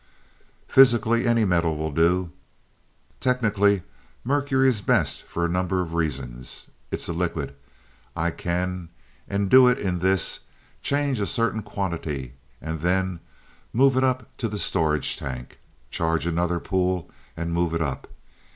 "Physically, any metal will do. Technically, mercury is best for a number of reasons. It's a liquid. I can, and do it in this, charge a certain quantity, and then move it up to the storage tank. Charge another pool, and move it up.